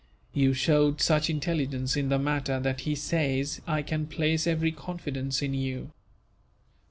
You showed such intelligence in the matter that he says I can place every confidence in you.